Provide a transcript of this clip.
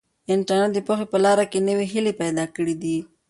انټرنیټ د پوهې په لاره کې نوې هیلې پیدا کړي دي.